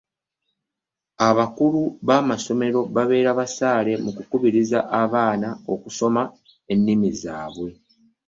Abakulu b’amasomero babeere basaale mu kukubiriza abaana okusoma ennimi zaabwe.